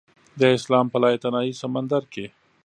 د اسمان په لایتناهي سمندر کې